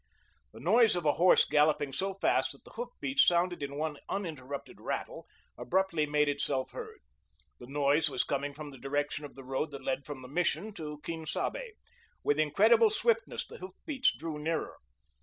The noise of a horse galloping so fast that the hoof beats sounded in one uninterrupted rattle, abruptly made itself heard. The noise was coming from the direction of the road that led from the Mission to Quien Sabe. With incredible swiftness, the hoof beats drew nearer.